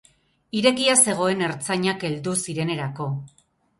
Irekia zegoen ertzainak heldu zirenerako.